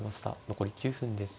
残り９分です。